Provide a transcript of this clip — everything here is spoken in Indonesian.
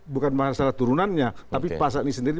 bukan masalah turunannya tapi pasar ini sendiri